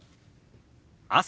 「朝」。